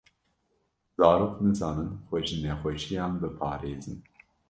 Zarok nizanin xwe ji nexweşiyan biparêzin.